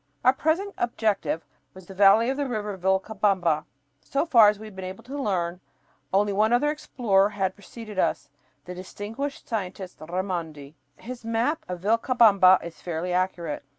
Our present objective was the valley of the river Vilcabamba. So far as we have been able to learn, only one other explorer had preceded us the distinguished scientist Raimondi. His map of the Vilcabamba is fairly accurate.